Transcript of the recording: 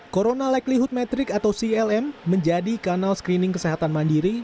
corona likelyhood metric atau clm menjadi kanal screening kesehatan mandiri